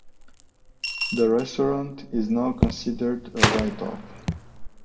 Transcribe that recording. The restaurant is now considered a write-off.